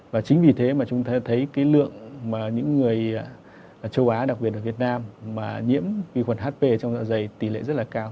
và chính vì thế mà chúng ta thấy cái lượng mà những người châu á đặc biệt là việt nam mà nhiễm vi khuẩn hp trong dạ dày tỷ lệ rất là cao